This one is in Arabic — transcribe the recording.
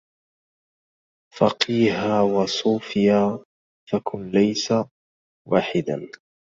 فقيها وصوفيا فكن ليس واحدا